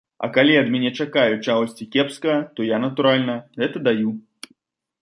А калі ад мяне чакаюць чагосьці кепскага, то я, натуральна, гэта даю.